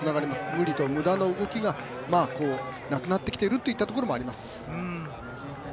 無理、無駄な動きがなくなってきているといったところもあります。